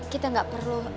kita gak perlu